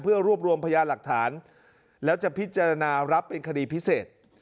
เพื่อรวบรวมพยาหลักฐานแล้วจะพิจารณารับเป็นคดีพิเศษ